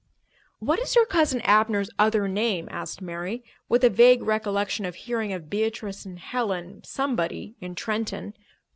"What is your Cousin Abner's other name?" asked Mary, with a vague recollection of hearing of Beatrice and Helen—somebody—in Trenton.